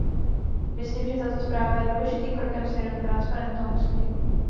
Myslím, že tato zpráva je důležitým krokem směrem k transparentnosti.